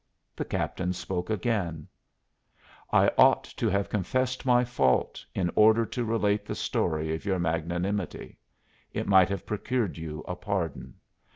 The captain spoke again: "I ought to have confessed my fault in order to relate the story of your magnanimity; it might have procured you a pardon.